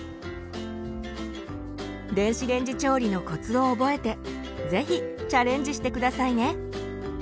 電子レンジ調理のコツを覚えて是非チャレンジして下さいね。